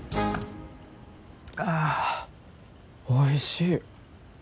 あおいしい。